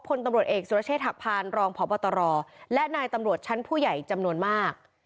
พลตำรวจเอกสุรเชษฐหักพานรองพบตรและนายตำรวจชั้นผู้ใหญ่จำนวนมาก